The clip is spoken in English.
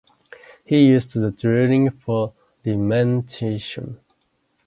He used the drawing for "Lamentation".